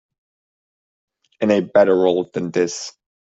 In a better world than this